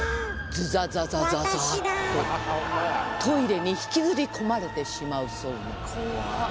ズザザザザとトイレに引きずり込まれてしまうそうな。